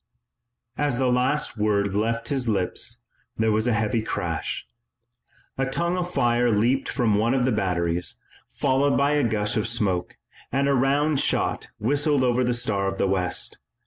As the last word left his lips there was a heavy crash. A tongue of fire leaped from one of the batteries, followed by a gush of smoke, and a round shot whistled over the Star of the West.